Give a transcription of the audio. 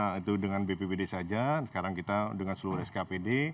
nah itu dengan bpbd saja sekarang kita dengan seluruh skpd